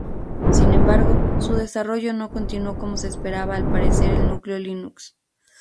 Sin embargo, su desarrollo no continuó como se esperaba al aparecer el núcleo Linux.